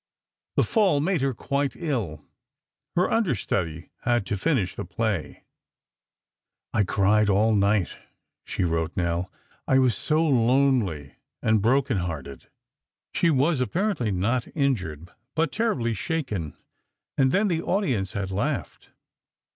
The fall made her quite ill; her understudy had to finish the play. "I cried all night," she wrote Nell, "I was so lonely and broken hearted." She was apparently not injured, but terribly shaken; and then, the audience had laughed.